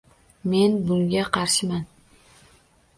Men bunga qarshiman.